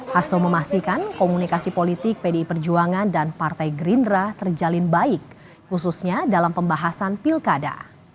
hasno memastikan komunikasi politik pdi perjuangan dan partai gerindra terjalin baik khususnya dalam pembahasan pilkada